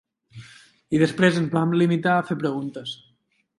I després ens vam limitar a fer preguntes.